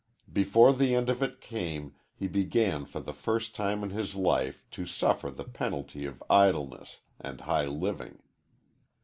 Before the end of it came he began for the first time in his life to suffer the penalty of idleness and high living.